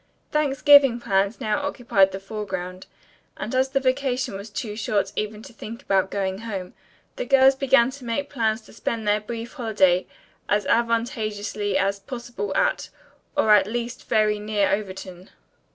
Thanksgiving plans now occupied the foreground, and as the vacation was too short even to think about going home, the girls began to make plans to spend their brief holiday as advantageously as possible at or at least very near Overton.